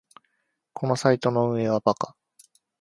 このサイトの運営はバカ